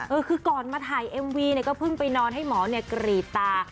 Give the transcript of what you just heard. เออคือก่อนมาถ่ายเอ็มวีเนี่ยก็เพิ่งไปนอนให้หมอเนี่ยกรีดตา